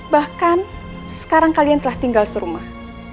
bahkan sekarang kalian telah tinggal serumah